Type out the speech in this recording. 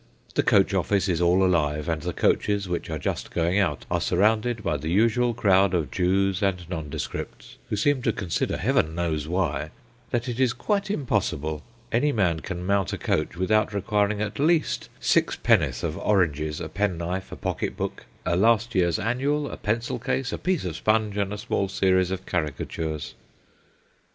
The coach office is all alive, and the coaches which are just going out, are surrounded by the usual crowd of Jews and nondescripts, who seem to consider, Heaven knows why, that it is quite impossible any man can mount a coach without re quiring at least sixpennyworth of oranges, a penknife, a pocket book, a last year's annual, a pencil case, a piece of sponge, and a small series of caricatures.